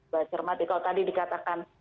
baca remati kalau tadi dikatakan